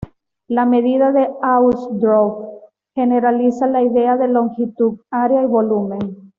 La medida de Hausdorff generaliza la idea de longitud, área y volumen.